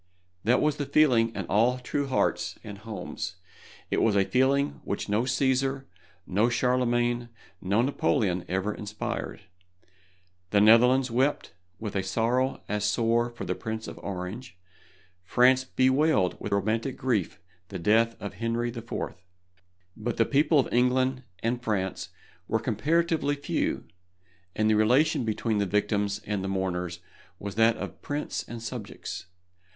That was the feeling in all true hearts and homes. It was a feeling which no Cæsar, no Charlemagne, no Napoleon ever inspired. The Netherlands wept with a sorrow as sore for the Prince of Orange, France bewailed with romantic grief the death of Henry IV. But the people of England and France were comparatively few, and the relation between the victims and the mourners was that of prince and subjects.